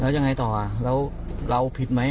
แล้วยังไงต่อแล้วเราผิดไหม